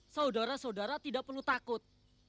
saudara saudara tidak perlu takut